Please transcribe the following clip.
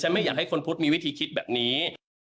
ไม่อยากให้คนพุทธมีวิธีคิดแบบนี้